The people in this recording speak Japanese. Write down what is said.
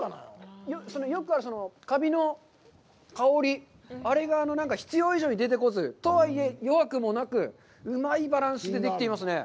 よくあるかびの香り、あれが必要以上に出てこず、とはいえ弱くもなく、うまいバランスでできていますね。